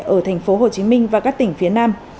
ở thành phố hồ chí minh và các tỉnh phía nam